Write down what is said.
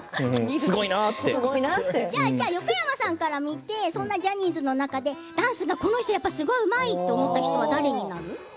じゃあじゃあ横山さんから見てジャニーズの中でダンスがこの人すごいうまいと思った人は誰になる？